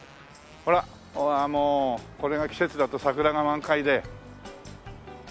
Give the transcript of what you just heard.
ほらもうこれが季節だと桜が満開で。